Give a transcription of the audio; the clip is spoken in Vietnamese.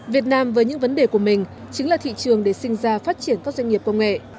việt nam với những vấn đề của mình chính là thị trường để sinh ra phát triển các doanh nghiệp công nghệ